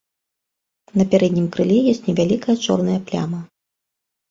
На пярэднім крыле ёсць невялікая чорная пляма.